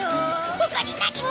他に何か。